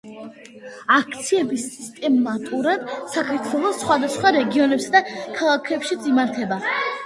აქციები სისტემატურად საქართველოს სხვადასხვა რეგიონებსა და ქალაქებშიც იმართება.